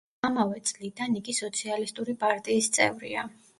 ამავე წლიდან იგი სოციალისტური პარტიის წევრია.